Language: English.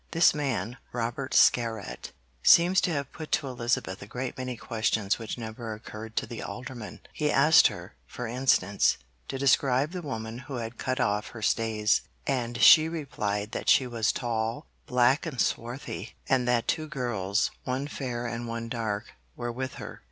This man, Robert Scarrat, seems to have put to Elizabeth a great many questions which never occurred to the Alderman. He asked her, for instance, to describe the woman who had cut off her stays, and she replied that she was 'tall, black and swarthy, and that two girls, one fair and one dark, were with her.'